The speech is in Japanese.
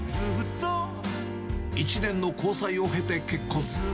１年の交際を経て結婚。